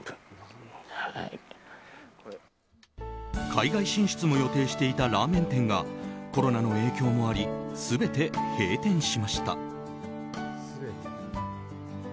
海外進出も予定していたラーメン店がコロナの影響もあり全て閉店しました。